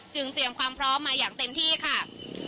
เตรียมความพร้อมมาอย่างเต็มที่ค่ะ